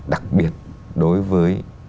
đặc biệt đối với